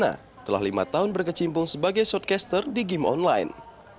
dan fortuna telah lima tahun berkecimpung sebagai shortcaster di game online